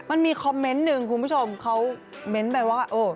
มันมีคอมเมนต์หนึ่งคุณผู้ชมเขาเม้นต์ไปว่า